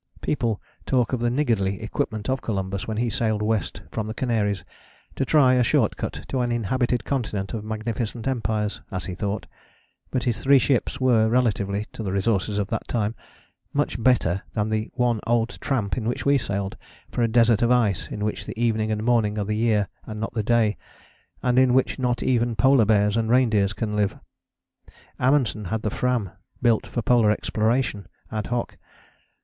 People talk of the niggardly equipment of Columbus when he sailed west from the Canaries to try a short cut to an inhabited continent of magnificent empires, as he thought; but his three ships were, relatively to the resources of that time, much better than the one old tramp in which we sailed for a desert of ice in which the evening and morning are the year and not the day, and in which not even polar bears and reindeers can live. Amundsen had the Fram, built for polar exploration ad hoc.